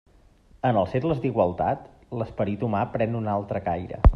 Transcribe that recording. En els segles d'igualtat, l'esperit humà pren un altre caire.